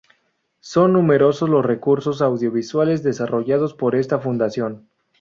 Son numerosos los recursos audiovisuales desarrollados por esta fundación.